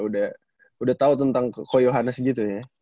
udah udah tau tentang koyohanes gitu ya